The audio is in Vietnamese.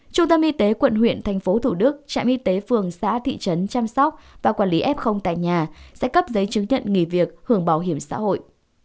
trung tâm y tế quận huyện thành phố thủ đức trạm y tế phường xã thị trấn chăm sóc và quản lý f tại nhà sẽ cấp giấy chứng nhận nghỉ việc hưởng bảo hiểm xã hội